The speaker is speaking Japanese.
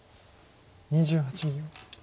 ２８秒。